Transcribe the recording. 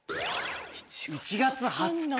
１月２０日。